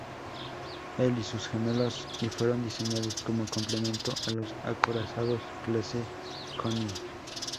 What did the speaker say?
El y sus gemelos y fueron diseñados como complemento a los acorazados clase "König".